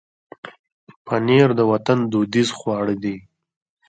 پنېر د وطن دودیز خواړه دي.